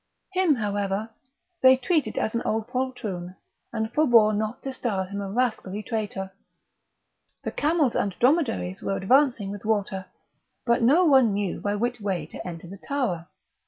Him, however, they treated as an old poltroon, and forbore not to style him a rascally traitor. The camels and dromedaries were advancing with water, but no one knew by which way to enter the tower.